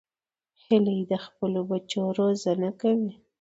هیلۍ د خپلو بچو روزنه کوي